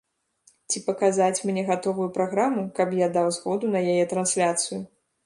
Ці паказаць мне гатовую праграму, каб я даў згоду на яе трансляцыю.